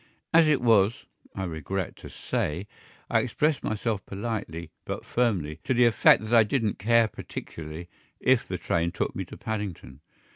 As it was, I regret to say, I expressed myself politely, but firmly, to the effect that I didn't care particularly if the train took me to Paddington.